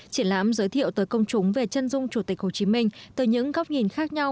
triển lãm giới thiệu tới công chúng về chân dung chủ tịch hồ chí minh từ những góc nhìn khác nhau